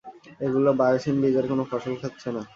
এগুলো বায়োসিন বীজের কোনো ফসল খাচ্ছে না।